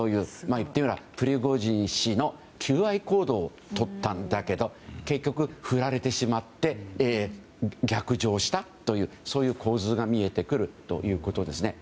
言ってみれば、プリゴジン氏は求愛行動をとったんだけど結局、フラれてしまって逆上したというそういう構図が見えてくるということですね。